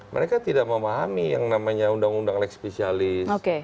mereka tidak memahami yang namanya undang undang lekspesialis